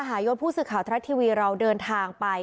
หายศผู้สื่อข่าวทรัฐทีวีเราเดินทางไป